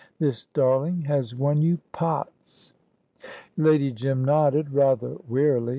This darling has won you pots." Lady Jim nodded, rather wearily.